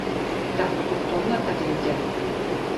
Tak o tohle tady jde!